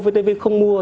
vtv không mua